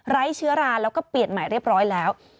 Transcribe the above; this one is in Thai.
เชื้อราแล้วก็เปลี่ยนใหม่เรียบร้อยแล้ว